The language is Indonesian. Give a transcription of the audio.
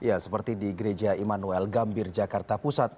ya seperti di gereja immanuel gambir jakarta pusat